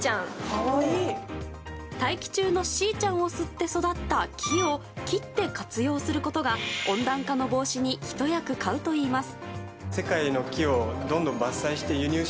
大気中のＣちゃんを吸って育った木を切って活用することが温暖化の防止にひと役買うといいます。